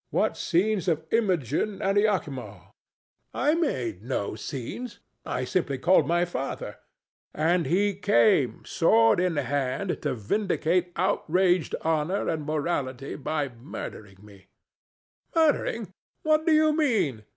what scenes of Imogen and Iachimo! ANA. I made no scenes. I simply called my father. DON JUAN. And he came, sword in hand, to vindicate outraged honor and morality by murdering me. THE STATUE. Murdering! What do you mean?